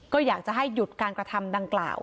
ก็อยากจะให้หยุดการกระทำดังกล่าว